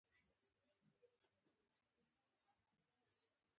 هغه دینداره چې له دې اعمالو سره مخالف دی.